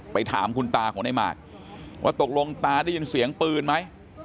ถามคุณตาของในหมากว่าตกลงตาได้ยินเสียงปืนไหม